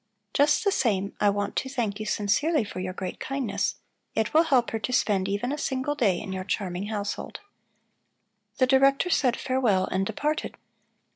Just the same, I want to thank you sincerely for your great kindness; it will help her to spend even a single day in your charming household." The Director said farewell and departed.